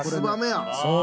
そう。